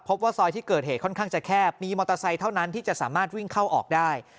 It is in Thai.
ว่าซอยที่เกิดเหตุค่อนข้างจะแคบมีมอเตอร์ไซค์เท่านั้นที่จะสามารถวิ่งเข้าออกได้